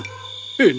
ini terlalu dingin